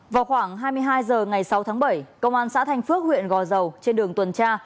vào khoảng hai mươi hai h ngày sáu tháng bảy công an xã thanh phước huyện gò dầu trên đường tuần tra